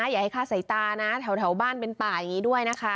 อย่าให้ฆ่าสายตานะแถวบ้านเป็นป่าอย่างนี้ด้วยนะคะ